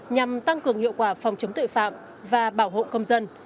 nhằm tăng cường hiệu quả phòng chống tội phạm và bảo hộ công dân